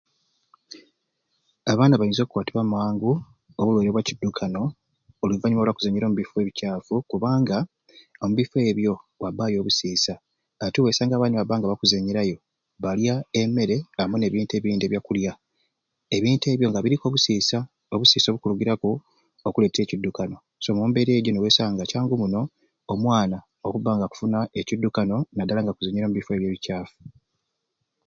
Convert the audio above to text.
Abaana bainza okukwatibwa amangu obulwaire bwa kidukano oluvanyuma olwakuzenyera omubifo ebicaafu kubanga omubifo ebyo wabbaayo obusiisa ati wesanga abaana nibabba nga bakuzenyerayo balya emere amwe n'ebintu ebindi ebyakulya ebintu ebyo nga biruku obusiisa obusiisa obukuligiraku okuleeta ekidukano so omumbeera ejo nosanga nga kyangu muno omwana okuba nga akufuna ekidukano naddala nga akuzenyera omubifo ebyo ebicaafu